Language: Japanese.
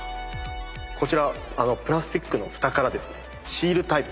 こちらプラスチックのフタからシールタイプ